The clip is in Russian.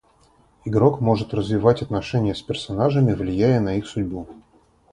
Игрок может развивать отношения с персонажами, влияя на их судьбу.